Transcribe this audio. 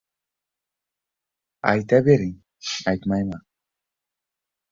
— Ayta bering, aytmayman.